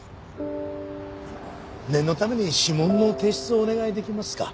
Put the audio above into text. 念のために指紋の提出をお願いできますか？